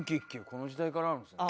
この時代からあるんですね。